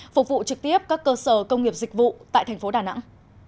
phục vụ trực tiếp các cơ sở công nghiệp dịch vụ tại thành phố đà nẵng